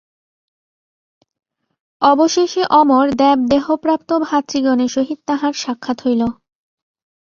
অবশেষে অমর দেবদেহপ্রাপ্ত ভাতৃগণের সহিত তাঁহার সাক্ষাৎ হইল।